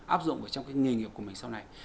áp dụng ở trong cái nghề nghiệp của mình sau này